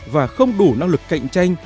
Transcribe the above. và không đủ năng lực cạnh tranh